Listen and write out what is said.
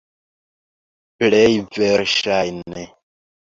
Plej verŝajne.